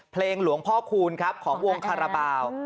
เพลงหลวงพ่อคูณครับของวงคาราบาล